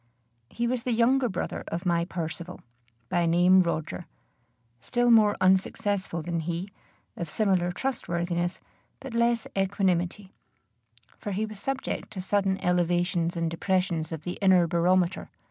He was the younger brother of my Percivale, by name Roger, still more unsuccessful than he; of similar trustworthiness, but less equanimity; for he was subject to sudden elevations and depressions of the inner barometer.